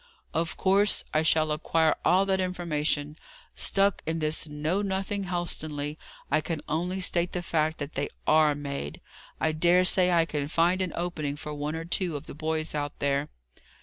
"Of course, I shall acquire all that information. Stuck in this know nothing Helstonleigh, I can only state the fact that they are made. I dare say I can find an opening for one or two of the boys out there."